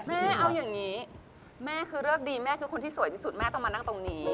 แม่เอาอย่างนี้แม่คือเลิกดีแม่คือคนที่สวยที่สุดแม่ต้องมานั่งตรงนี้